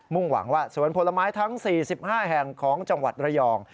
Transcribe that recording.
่งหวังว่าสวนผลไม้ทั้ง๔๕แห่งของจังหวัดระยอง